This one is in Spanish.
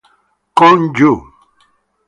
Con Yu.